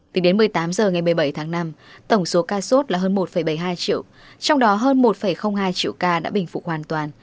tính đến một mươi tám h ngày một mươi bảy tháng năm tổng số ca sốt là hơn một bảy mươi hai triệu trong đó hơn một hai triệu ca đã bình phục hoàn toàn